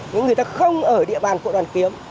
những người ta không ở địa bàn quận hoàn kiếm